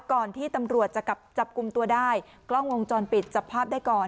ก่อนที่ตำรวจจะกลับจับกลุ่มตัวได้กล้องวงจรปิดจับภาพได้ก่อน